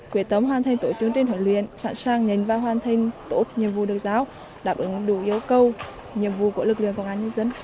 quyết tâm hoàn thành tổ chương trình huấn luyện sẵn sàng nhận và hoàn thành tốt nhiệm vụ được giao đáp ứng đủ yêu cầu nhiệm vụ của lực lượng công an nhân dân